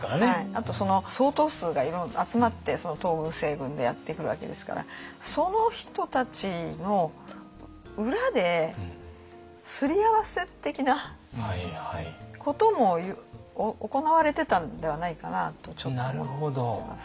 あと相当数が集まって東軍西軍でやって来るわけですからその人たちの裏ですり合わせ的なことも行われてたんではないかなとちょっと思ってます。